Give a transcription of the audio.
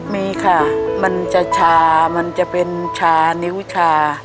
มีค่ะมันจะชามันจะเป็นชานิ้วชา